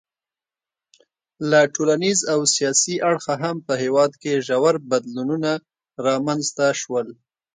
له ټولنیز او سیاسي اړخه هم په هېواد کې ژور بدلونونه رامنځته شول.